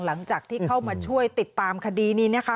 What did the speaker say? หลังจากที่เข้ามาช่วยติดตามคดีนี้นะคะ